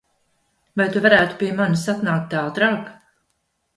Vai Tu varētu pie manis atnākt ātrāk?